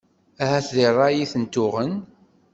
Ahat deg rray i ten-uɣen.